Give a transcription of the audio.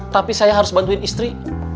tapi saya harus bantuin istri